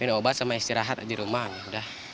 minum obat sama istirahat di rumah ya udah